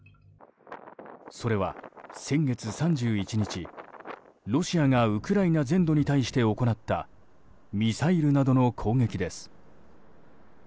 それは先月３１日、ロシアがウクライナ全土に対して行ったミサイルなどの攻撃です。